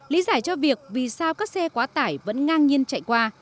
lý giải cho việc vì sao các xe quá tải vẫn ngang nhiên chạy qua